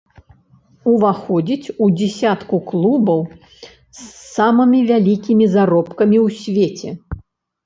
Уваходзіць у дзясятку клубаў з самымі вялікімі заробкамі ў свеце.